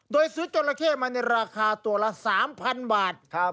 โดยซื้อจราเข้มาในราคาตัวละ๓๐๐๐บาท